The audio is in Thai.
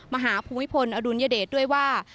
ภูมิพลอดุลยเดชด้วยว่า